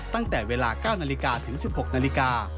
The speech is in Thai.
ตั้งแต่เวลา๙นาฬิกาถึง๑๖นาฬิกา